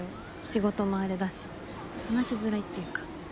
仕事もあれだし話しづらいっていうか。